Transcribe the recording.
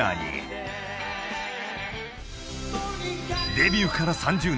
［デビューから３０年